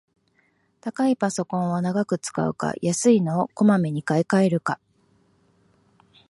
高いパソコンを長く使うか、安いのをこまめに買いかえるか